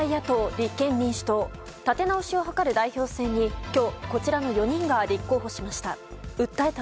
立て直しを図る代表選に今日、こちらの４人が立候補しました。